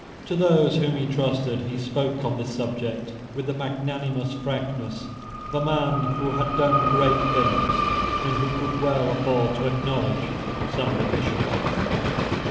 To those whom he trusted he spoke on this subject with the magnanimous frankness of a man who had done great things, and who could well afford to acknowledge some deficiencies.